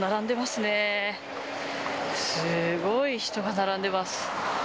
すごい人が並んでます。